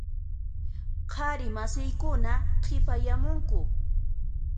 Qhari masiykuna qhipayamunku.